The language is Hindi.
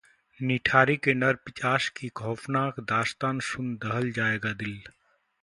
निठारी के नर पिशाच की खौफनाक दास्तान सुन दहल जाएगा दिल